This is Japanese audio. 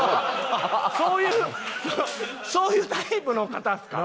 そういうそういうタイプの方ですか？